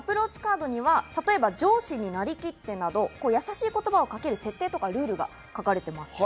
例えば、上司になりきってなど、やさしい言葉をかける設定やルールが書かれています。